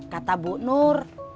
kata bu nur